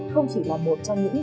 không chỉ là một trong những